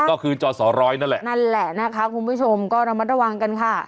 ก็คือจอสอร้อยนั่นแหละนั่นแหละนะคะคุณผู้ชมก็ระมัดระวังกันค่ะ